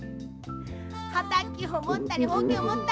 はたきをもったりほうきをもったり。